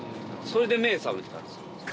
それで目覚めてたんですよ。